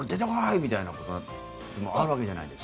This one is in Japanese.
みたいなのもあるわけじゃないですか。